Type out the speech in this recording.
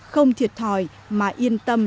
không thiệt thòi mà yên tâm